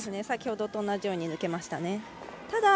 先ほどと同じように抜けました。